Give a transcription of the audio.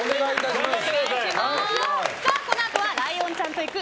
このあとはライオンちゃんと行く！